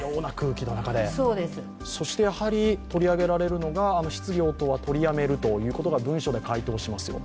そして取り上げられるのが質疑応答は取りやめるということ文書で回答しますと。